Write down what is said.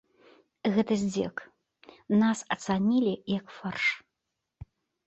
Гэта здзек, нас ацанілі, як фарш.